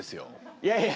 いやいや。